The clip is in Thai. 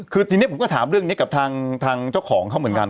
คือทีนี้ผมก็ถามเรื่องนี้กับทางเจ้าของเขาเหมือนกัน